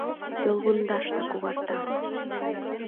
Йолвундашда когарга